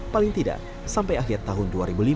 paling tidak sampai akhir tahun dua ribu lima belas